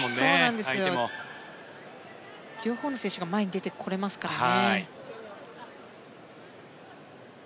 両方の選手が前に出てこれますからね。